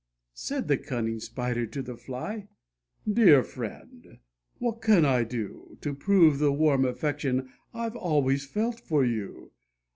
Said the cunning Spider to the Fly: "Dear friend, what can I do To prove the warm affection I've always felt for you?